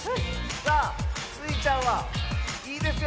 さあスイちゃんはいいですよ